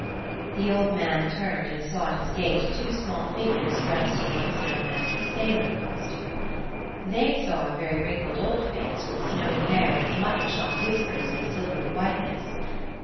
The old man turned and saw at his gate two small figures dressed in what is known as sailor costume. They saw a very wrinkled old face with snowy hair and mutton chop whiskers of a silvery whiteness.